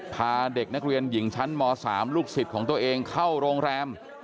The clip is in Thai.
พาเด็กนักเรียนหญิงชั้นม๓ลูกศิษย์ของตัวเองเข้าโรงแรม